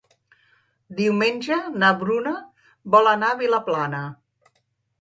Diumenge na Bruna vol anar a Vilaplana.